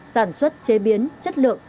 sản xuất chế biến chất lượng